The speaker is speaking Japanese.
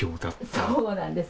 そうなんです。